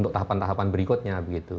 tahapan tahapan berikutnya begitu